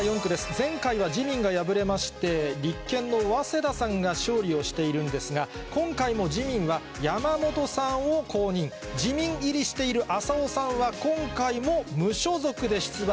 前回は自民が敗れまして、立憲の早稲田さんが勝利をしているんですが、今回も自民は山本さんを公認、自民入りしている浅尾さんは今回も無所属で出馬。